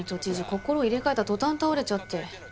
心を入れ替えた途端倒れちゃって。